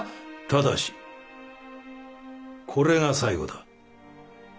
ただしこれが最後だ。